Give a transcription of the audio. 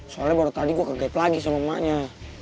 soalnya baru tadi gue kegep lagi sama emaknya